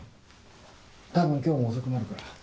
多分今日も遅くなるから。